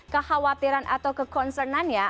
kekhawatiran atau kekonsernannya